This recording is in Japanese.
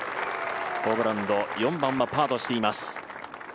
ホブランド、４番はパーとしています。